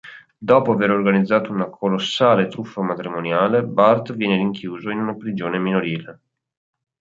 Dopo aver organizzato una colossale truffa "matrimoniale", Bart viene rinchiuso in una prigione minorile.